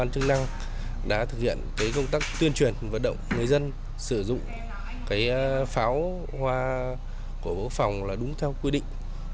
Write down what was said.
cũng như các công tác tuyên truyền vận động người dân sử dụng pháo hoa của bộ quốc phòng là đúng theo quy định